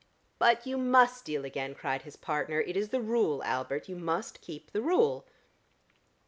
"But you must deal again," cried his partner. "It is the rule, Albert, you must keep the rule."